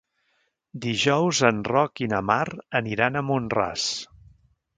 Dijous en Roc i na Mar aniran a Mont-ras.